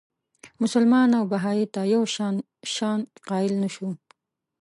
مسلمان او بهايي ته یو شان شأن قایل نه شو.